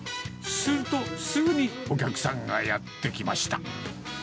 するとすぐにお客さんがやって来ました。